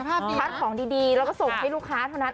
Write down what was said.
ทานของดีแล้วก็ส่งให้ลูกค้าเท่านั้น